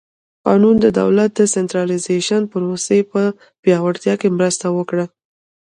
قانون د دولت د سنټرالیزېشن پروسې په پیاوړتیا کې مرسته وکړه.